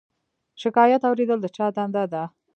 شکایت اوریدل د چا دنده ده؟